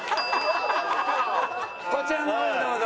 こちらの方にどうぞ。